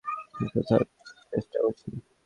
সুস্থ হওয়ার চেষ্টা করছি।